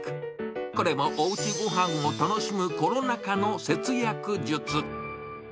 これもおうちごはんを楽しむコロナ禍の節約術。